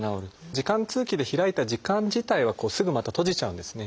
耳管通気で開いた耳管自体はすぐまた閉じちゃうんですね。